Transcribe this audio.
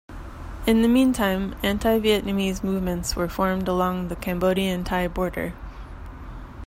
In the meantime, anti-Vietnamese movements were formed along the Cambodian-Thai border.